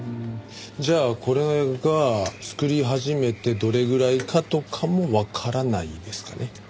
じゃあこれが作り始めてどれぐらいかとかもわからないですかね？